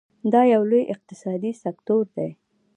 دا یو لوی اقتصادي سکتور دی.